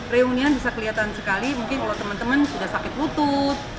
reunian bisa kelihatan sekali mungkin kalau teman teman sudah sakit lutut